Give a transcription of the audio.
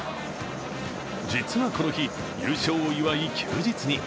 実はこの日、優勝を祝い、休日に。